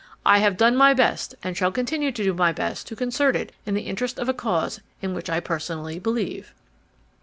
I have done my best and shall continue to do my best to concert it in the interest of a cause in which I personally believe."